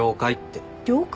了解？